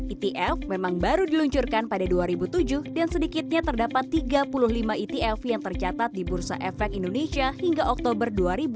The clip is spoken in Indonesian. etf memang baru diluncurkan pada dua ribu tujuh dan sedikitnya terdapat tiga puluh lima etf yang tercatat di bursa efek indonesia hingga oktober dua ribu dua puluh